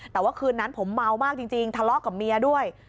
แต่ว่าคืนนั้นผมเมามากจริงทะเลาะกับเมียด้วย